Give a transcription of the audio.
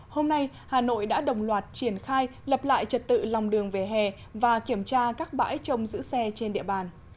hôm nay hà nội đã đồng loạt triển khai lập lại trật tự lòng đường về hè và kiểm tra các bãi trồng giữ xe trên địa bàn